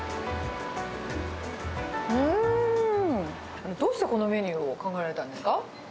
うーん！どうしてこのメニューを考えられたんですか？